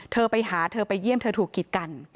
เธอไปหาเธอไปเยี่ยมเธอถูกกิดกัน